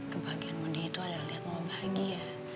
kebahagiaan mondi itu adalah lihat mama bahagia